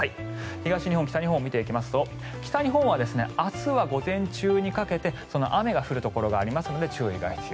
東日本、北日本を見ていくと北日本は明日は午前中にかけて雨が降るところがありますので注意が必要。